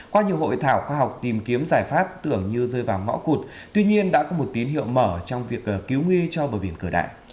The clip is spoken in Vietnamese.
qua nhiều hội thảo khoa học tìm kiếm giải pháp tưởng như rơi vào ngõ cụt tuy nhiên đã có một tín hiệu mở trong việc cứu ngư cho bờ biển cửa đại